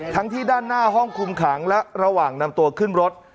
ที่ด้านหน้าห้องคุมขังและระหว่างนำตัวขึ้นรถ